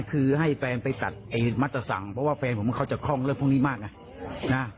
คือให้แฟนไปตัดมัตตสั่งเพราะว่าแฟนผมเขาจะคล่องเรื่องพวกนี้มากไงนะ